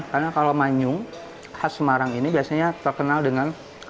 karena kalau manyung khas semarang ini biasanya terkenal dengan